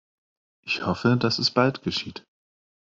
Ich hoffe, dass es bald geschieht.